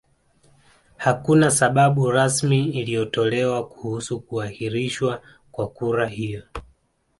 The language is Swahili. Hakuna sababu rasmi iliyotolewa kuhusu kuahirishwa kwa kura hiyo